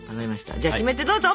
じゃあキメテどうぞ！